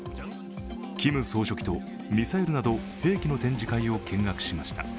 キム総書記とミサイルなど兵器の展示会を見学しました。